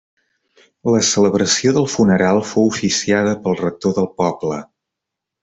La celebració del funeral fou oficiada pel rector del poble.